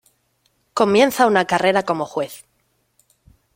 Comienza una carrera como juez.